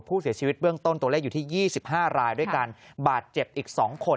ผู้เสียชีวิตเบื้องต้นตัวเลขอยู่ที่๒๕รายด้วยกันบาดเจ็บอีก๒คน